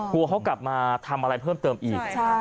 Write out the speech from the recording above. กลัวเขากลับมาทำอะไรเพิ่มเติมอีก